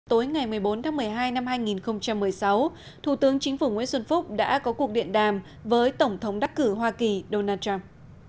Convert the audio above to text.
tối ngày một mươi bốn tháng một mươi hai năm hai nghìn một mươi sáu thủ tướng chính phủ nguyễn xuân phúc đã có cuộc điện đàm với tổng thống đắc cử hoa kỳ donald trump